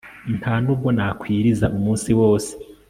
ntanubwo nakwiriza umunsi wose